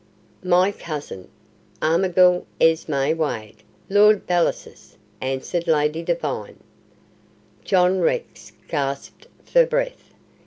"My cousin, Armigell Esmè Wade, Lord Bellasis," answered Lady Devine. John Rex gasped for breath.